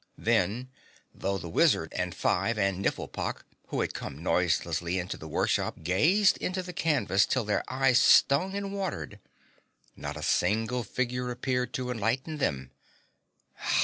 Then, though the wizard and Five and Nifflepok, who had come noiselessly into the workshop, gazed into the canvas till their eyes stung and watered, not a single figure appeared to enlighten them.